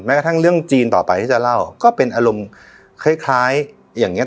กระทั่งเรื่องจีนต่อไปที่จะเล่าก็เป็นอารมณ์คล้ายอย่างเงี้